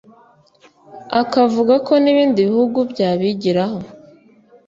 akavuga ko n’ibindi bihugu byabigiraho